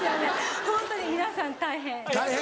ホントに皆さん大変。